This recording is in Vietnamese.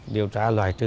điều tra loài trư